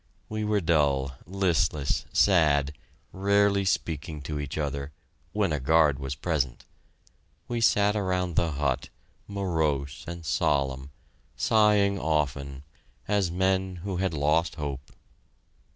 We were dull, listless, sad, rarely speaking to each other when a guard was present. We sat around the hut, morose and solemn, sighing often, as men who had lost hope.